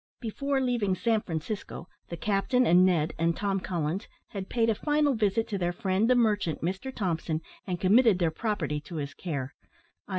Before leaving San Francisco, the captain, and Ned, and Tom Collins had paid a final visit to their friend the merchant, Mr Thompson, and committed their property to his care i.